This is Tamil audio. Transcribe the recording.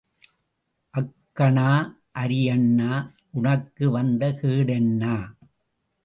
அக்கன்னா அரியன்னா, உனக்கு வந்த கேடு என்ன?